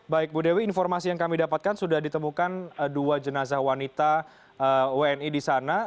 baik bu dewi informasi yang kami dapatkan sudah ditemukan dua jenazah wanita wni di sana